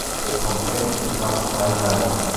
Der Komplex umfasst drei Hallen.